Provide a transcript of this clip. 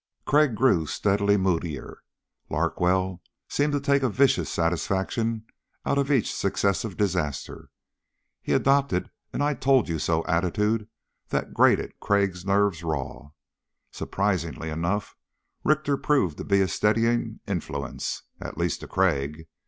Crag grew steadily moodier. Larkwell seemed to take a vicious satisfaction out of each successive disaster. He had adopted an I told you so attitude that grated Crag's nerves raw. Surprisingly enough, Richter proved to be a steadying influence, at least to Crag.